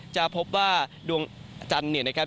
จะพบว่าดวงจันทร์เนี่ยนะครับ